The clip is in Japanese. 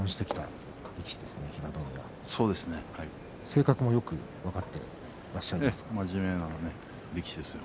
性格も、よく分かっていらっしゃるんですか？